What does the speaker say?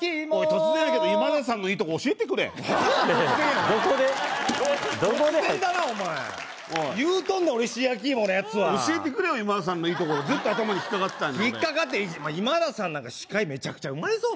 突然やけど今田さんのいいとこ教えてくれ何やねん突然やな突然だなお前言うとんの俺石焼き芋のやつは教えてくれ今田さんのいいところずっと頭に引っ掛かってたんや俺引っ掛かって今田さんなんか司会メチャクチャうまいぞ